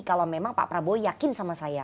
kalau memang pak prabowo yakin sama saya